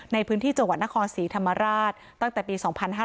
ในพื้นที่จังหวัดนครศรีธรรมราชตั้งแต่ปี๒๕๕๙